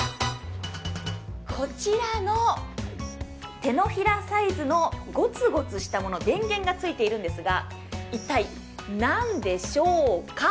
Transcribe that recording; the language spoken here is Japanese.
こちらの手のひらサイズのゴツゴツしたもの、電源がついているんですが、一体何でしょうか。